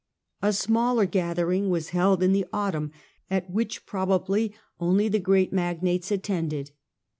A smaller gathering was held in the autumn, at which probably only the great magnates attended.